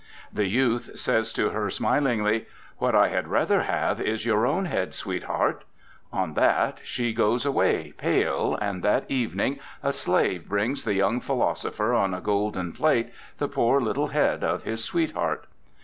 The youth says to her smilingly, "What I had rather have is your own head, sweetheart." On that she 16 INTRODUCTION goes away, pale, and that evening a slave brings the young philosopher on a golden plate the poor little head of his sweetheart.